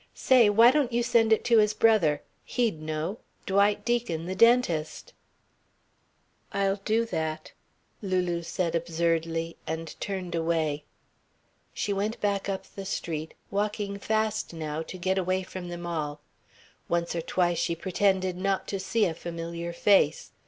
Say, why don't you send it to his brother? He'd know. Dwight Deacon, the dentist." "I'll do that," Lulu said absurdly, and turned away. She went back up the street, walking fast now to get away from them all. Once or twice she pretended not to see a familiar face.